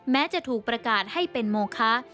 แม้จะถูกประกาศให้เป็นโมคะ